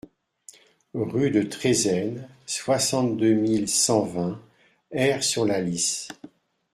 Rue de Trézennes, soixante-deux mille cent vingt Aire-sur-la-Lys